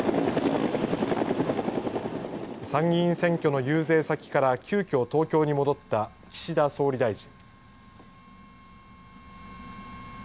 参議院選挙の遊説先から急きょ東京に戻った岸田総理大臣。